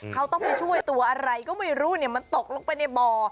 เขาต้องไปช่วยตัวอะไรก็ไม่รู้มันตกลงไปในบ่อ